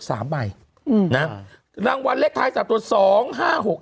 สามบ่ายนะฮะอืมนางวันเล็กท้ายสามต่อสองห้าหก